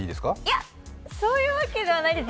いや、そういうわけではないです。